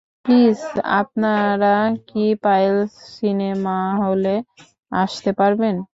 Please আপনারা কী পায়েল সিনেমাহলে আসতে পারবেন?